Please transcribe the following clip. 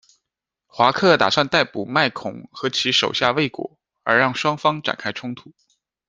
华克打算逮捕麦孔和其手下未果，而让双方展开冲突。